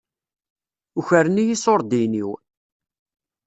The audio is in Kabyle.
Ukren-iyi iṣuṛdiyen-iw.